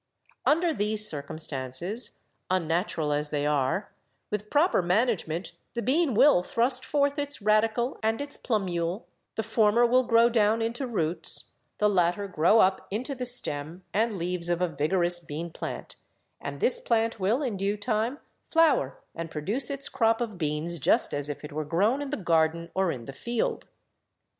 Under these circumstances, unnatu ral as they are, with proper management, the bean will thrust forth its radicle and its plumule; the former will grow down into roots, the latter grow up into the stem and ORGANIC FUNCTIONS 97 leaves of a vigorous bean plant, and this plant will, in due time, flower and produce its crop of beans just as if it were grown in the garden or in the field.